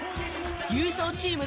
優勝チーム